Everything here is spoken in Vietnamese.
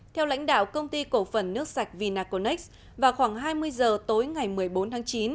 theo lãnh đạo công ty cổ phần nước sạch vinaconex vào khoảng hai mươi giờ tối ngày một mươi bốn tháng chín